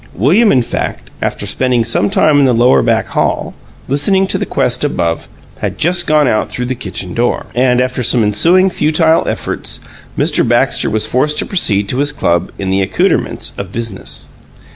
William, in fact, after spending some time in the lower back hall, listening to the quest above, had just gone out through the kitchen door. And after some ensuing futile efforts, Mr. Baxter was forced to proceed to his club in the accoutrements of business.